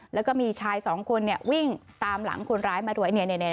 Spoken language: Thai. แล้วก็มีชายสองคนเนี่ยวิ่งตามหลังคนร้ายมาด้วยเนี่ยเนี่ยเนี่ย